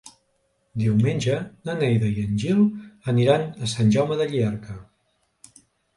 Diumenge na Neida i en Gil aniran a Sant Jaume de Llierca.